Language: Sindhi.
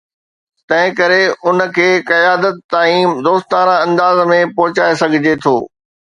تنهن ڪري ان کي قيادت تائين دوستانه انداز ۾ پهچائي سگهجي ٿو.